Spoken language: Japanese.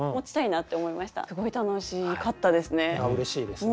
すごい楽しかったですね。